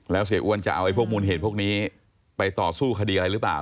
แล้วเสียอ้วนจะเอาไอ้พวกมูลเหตุพวกนี้ไปต่อสู้คดีอะไรหรือเปล่า